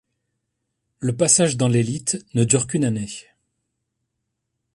Le passage dans l’élite ne dure qu’une année.